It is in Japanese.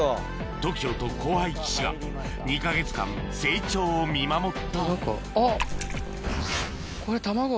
ＴＯＫＩＯと後輩岸が２か月間成長を見守ったあっ。